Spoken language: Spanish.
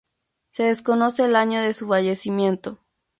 Se desconoce el año de su fallecimiento.